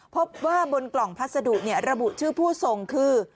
พบว่าบนกล่องพัสดุระบุชื่อผู้ส่งคือ